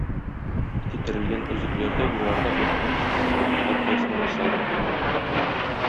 Китерелгән өзекләрдә югарыда әйтелгән сыйфатларның һәркайсына мисал бар.